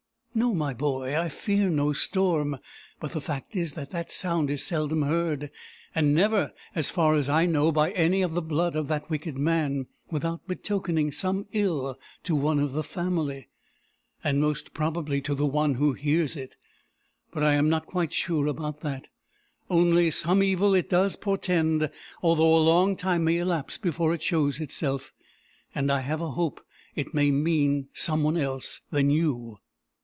"No, my boy; I fear no storm. But the fact is, that that sound is seldom heard, and never, as far as I know, by any of the blood of that wicked man, without betokening some ill to one of the family, and most probably to the one who hears it but I am not quite sure about that. Only some evil it does portend, although a long time may elapse before it shows itself; and I have a hope it may mean some one else than you."